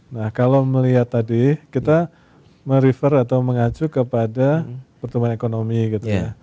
nah kalau melihat tadi kita merefer atau mengacu kepada pertumbuhan ekonomi gitu ya